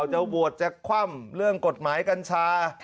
จะโหวตจะคว่ำเรื่องกฎหมายกัญชา